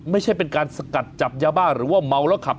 ไม่ใช่เป็นการสกัดจับยาบ้าหรือว่าเมาแล้วขับ